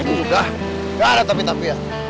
enggak enggak ada tapi tapi ya